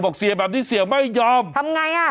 เสียแบบนี้เสียไม่ยอมทำไงอ่ะ